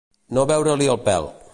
No veure-li el pèl.